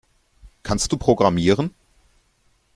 Kannst du programmieren?